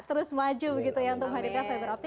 terus maju begitu ya untuk menghadirkan fiber optic